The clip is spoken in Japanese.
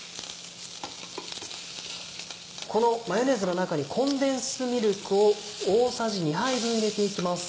このマヨネーズの中にコンデンスミルクを大さじ２杯分入れて行きます。